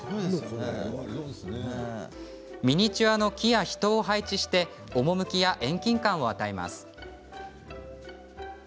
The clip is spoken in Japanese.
ミニチュアの木や人を配置して趣や遠近感を与えます。